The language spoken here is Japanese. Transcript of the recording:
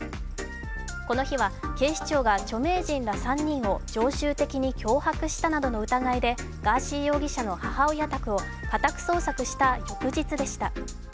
この日は警視庁が著名人ら３人を常習的に脅迫したなどの疑いでガーシー容疑者の母親宅を家宅捜索した翌日でした。